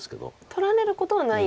取られることはない？